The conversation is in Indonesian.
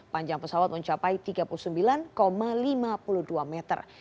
panjang pesawat mencapai tiga puluh sembilan lima puluh dua meter